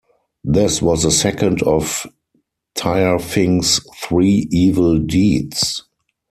This was the second of Tyrfing's three evil deeds.